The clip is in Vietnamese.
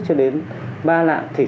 cho đến ba lạng thịt